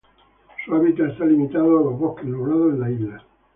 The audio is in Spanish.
Su hábitat está limitado a los bosques nublados en la isla.